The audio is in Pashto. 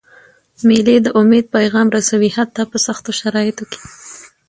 مېلې د امید پیغام رسوي، حتی په سختو شرایطو کي.